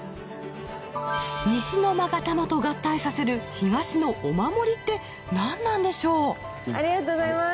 西の勾玉と合体させる東のお守りって何なんでしょうありがとうございます。